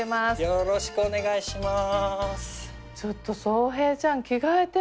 よろしくお願いします。